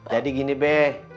jadi gini be